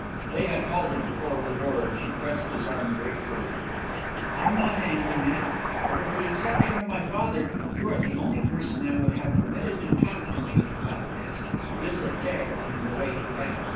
They had halted before her door, and she pressed his arm gratefully. "I am not angry, Matt. But with the exception of my father you are the only person I would have permitted to talk to me about this this affair in the way you have.